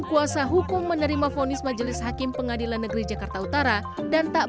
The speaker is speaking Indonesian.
kuasa hukum menerima fonis majelis hakim pengadilan negeri jakarta utara dan tak